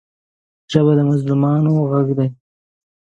ژبه د مظلومانو غږ دی